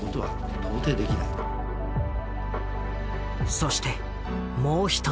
そしてもう１つ。